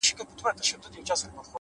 چي هغه نه وي هغه چــوفــــه اوســــــي،